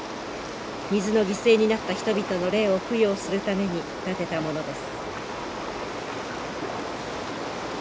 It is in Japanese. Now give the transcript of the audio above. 水の犠牲になった人々の霊を供養するために建てたものです。